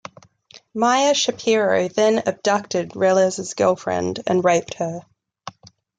Meyer Shapiro then abducted Reles' girlfriend and raped her.